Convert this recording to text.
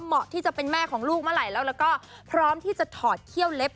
เหมาะที่จะเป็นแม่ของลูกเมื่อไหร่แล้วแล้วก็พร้อมที่จะถอดเขี้ยวเล็บ